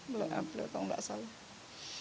bulan april atau tidak salah